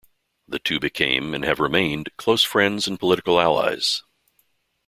The two became, and have remained, close friends and political allies.